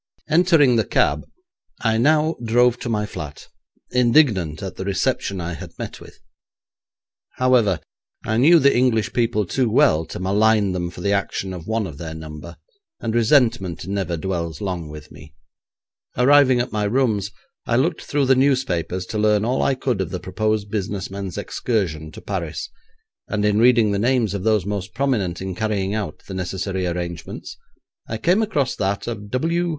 Entering the cab I now drove to my flat, indignant at the reception I had met with. However, I knew the English people too well to malign them for the action of one of their number, and resentment never dwells long with me. Arriving at my rooms I looked through the newspapers to learn all I could of the proposed business men's excursion to Paris, and in reading the names of those most prominent in carrying out the necessary arrangements, I came across that of W.